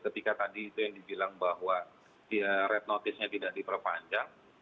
ketika tadi itu yang dibilang bahwa dia red notice nya tidak diperpanjang